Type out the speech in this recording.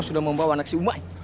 menjadi orang yang lebih baik